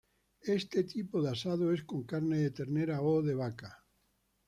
Este tipo de asado es con carne de ternera, o de vaca.